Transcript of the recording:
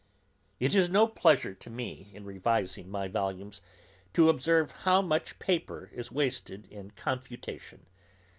It is no pleasure to me, in revising my volumes, to observe how much paper is wasted in confutation.